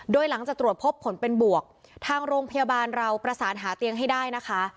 โดยหลังจากตรวจพบผลเป็นบวกทางโรงพยาบาลเราประสานหาเตียงให้ได้นะคะ